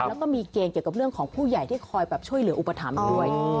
แล้วก็มีเกณฑ์เกี่ยวกับเรื่องของผู้ใหญ่ที่คอยแบบช่วยเหลืออุปถัมภ์ด้วย